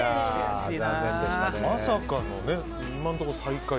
まさかの今のところ最下位。